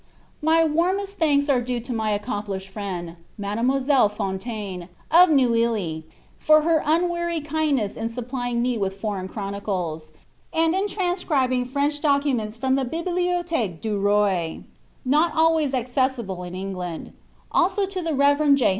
My warmest thanks are due to my accompIislieJ friend, Mademoi selle FaDtaJnr. of .\iniilly, for her unwearied kindness in supplying me ^iwlth foreipi chronicles, and in transcribing French dorimients from Biblioth( <|iie du Roi," not always accessible In England ; also to |4he Rev. J.